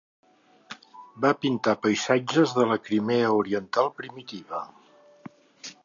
Va pintar paisatges de la Crimea oriental primitiva.